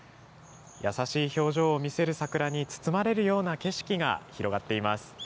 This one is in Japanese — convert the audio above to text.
優しい表情を見せる桜に包まれるような景色が広がっています。